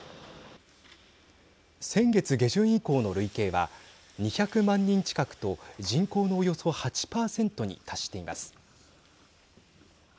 先月下旬以降の累計は２００万人近くと人口のおよそ８％に達しています。